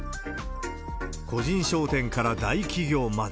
個人商店から大企業まで。